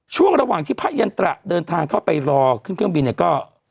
ช่วงระหว่างที่พระยันตระเดินทางเข้าไปรอขึ้นเครื่องบินเนี่ยก็